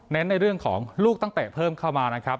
ในเรื่องของลูกตั้งแต่เพิ่มเข้ามานะครับ